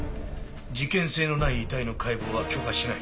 事件性のない遺体の解剖は許可しない。